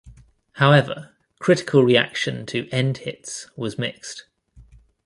However, critical reaction to "End Hits" was mixed.